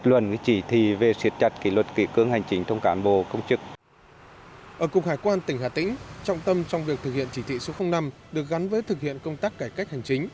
ở cục hải quan tỉnh hà tĩnh trọng tâm trong việc thực hiện chỉ thị số năm được gắn với thực hiện công tác cải cách hành chính